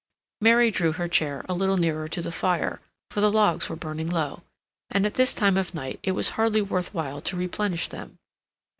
Mary drew her chair a little nearer to the fire, for the logs were burning low, and at this time of night it was hardly worth while to replenish them.